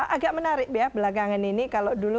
agak menarik ya belakangan ini kalau dulu